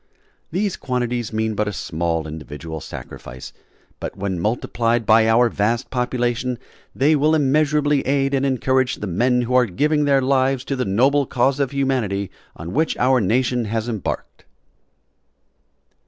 These quantities mean but a small individual sacrifice, but when multiplied by our vast population they will immeasurably aid and encourage the men who are giving their lives to the noble cause of humanity on which our nation has embarked.